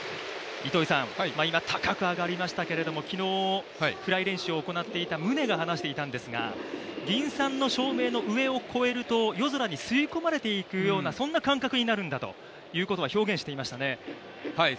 今、高く上がりましたけれども、昨日フライ練習を行っていた宗が話していたんですが、銀傘の照明の上を越えると、夜空に吸い込まれていくような感覚になるんだという表現をしていましたね。